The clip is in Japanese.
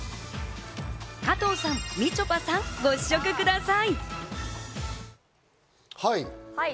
加藤さん、みちょぱさん、ご試食ください。